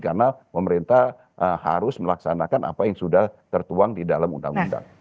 karena pemerintah harus melaksanakan apa yang sudah tertuang di dalam undang undang